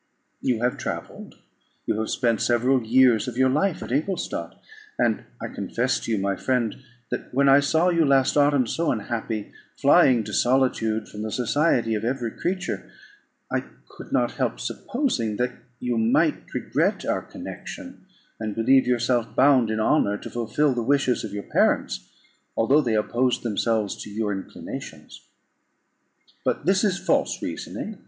"You have travelled; you have spent several years of your life at Ingolstadt; and I confess to you, my friend, that when I saw you last autumn so unhappy, flying to solitude, from the society of every creature, I could not help supposing that you might regret our connection, and believe yourself bound in honour to fulfil the wishes of your parents, although they opposed themselves to your inclinations. But this is false reasoning.